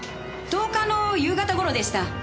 １０日の夕方頃でした。